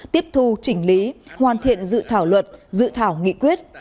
tiếp thu chỉnh lý hoàn thiện dự thảo luật dự thảo nghị quyết